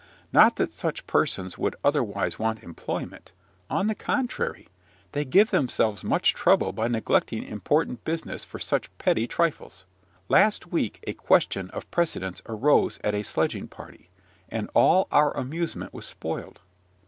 Not that such persons would otherwise want employment: on the contrary, they give themselves much trouble by neglecting important business for such petty trifles. Last week a question of precedence arose at a sledging party, and all our amusement was spoiled.